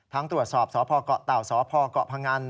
ตรวจสอบสพเกาะเต่าสพเกาะพงัน